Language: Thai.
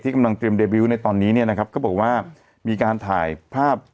กำลังเตรียมเดบิวต์ในตอนนี้เนี่ยนะครับก็บอกว่ามีการถ่ายภาพ